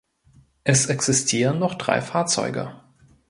Es existieren noch drei Fahrzeuge.